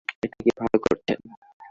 এটা কি ভালো করছেন?